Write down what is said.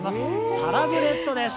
サラブレットです。